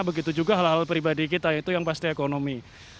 begitu juga hal hal pribadi kita itu yang pasti ekonomi